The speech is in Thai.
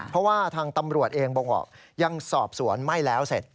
เพราะว่าทางตำรวจเองบอกยังสอบสวนไม่แล้วเสร็จ